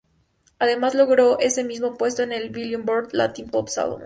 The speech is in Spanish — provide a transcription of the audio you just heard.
Además logro ese mismo puesto en el Billboard Latin pop Albums.